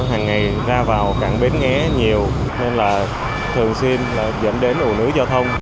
hàng ngày ra vào cảng bến nghé nhiều nên là thường xuyên dẫn đến ủ nứ giao thông